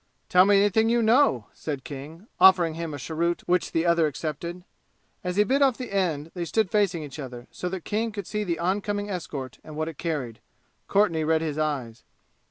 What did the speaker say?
"Tell me anything you know," said King, offering him a cheroot which the other accepted. As he bit off the end they stood facing each other, so that King could see the oncoming escort and what it carried. Courtenay read his eyes.